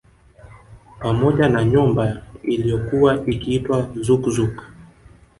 Pamoja na Nyboma iliyokuwa ikiitwa Zouke Zouke